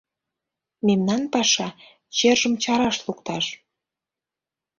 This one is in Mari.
Мемнан паша — «чержым» чараш лукташ.